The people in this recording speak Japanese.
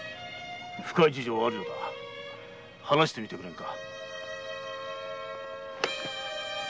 深い事情があるなら話してみてくれんか？